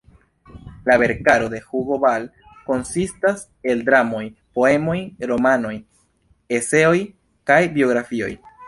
La verkaro de Hugo Ball konsistas el dramoj, poemoj, romanoj, eseoj kaj biografioj.